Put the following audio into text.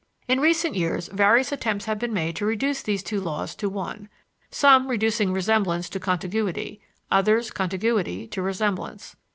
In recent years various attempts have been made to reduce these two laws to one, some reducing resemblance to contiguity; others, contiguity to resemblance.